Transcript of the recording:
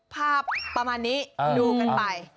ภาพประมาณนี้ดูกันไป